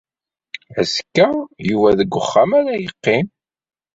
Azekka, Yuba deg uxxam ara yeqqim.